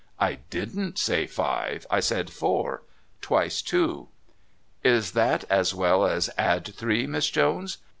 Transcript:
"I didn't say five. I said four. Twice two." "Is that as well as 'add three,' Miss Jones?